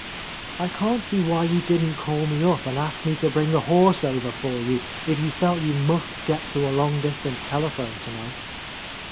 "I can't see why you didn't call me up and ask me to bring a horse over for you, if you felt you must get to a long dis tance telephone tonight."